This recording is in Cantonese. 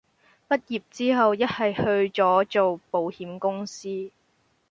畢業之後一係去左做保險公司